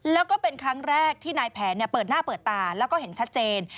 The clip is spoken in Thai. แล้วก็เป็นครั้งแรกที่นายแผนเปิดหน้าเปิดตาแล้วก็เห็นชัดเจน